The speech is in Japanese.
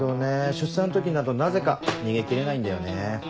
出産の時になるとなぜか逃げ切れないんだよね。